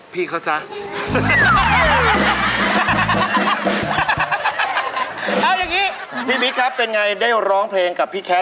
พี่พี่พี่ครับเป็นไงได้ร้องเพลงกับพี่แคท